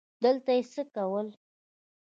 دلته یې څه کول ؟